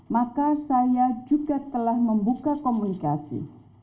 maka saya juga telah membuka komunikasi